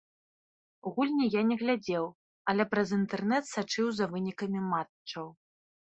Гульні я не глядзеў, але праз інтэрнэт сачыў за вынікамі матчаў.